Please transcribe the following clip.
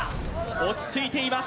落ち着いています。